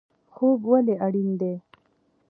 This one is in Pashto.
خوب ولې اړین دی؟